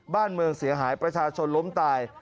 บ้านเมืองเสียหายประชาชนล้มตาย